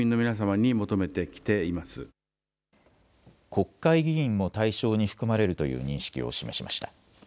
国会議員も対象に含まれるという認識を示しました。